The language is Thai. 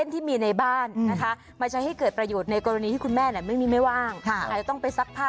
ถ้าทานหมดนี่เด็กตื่นเลยนะ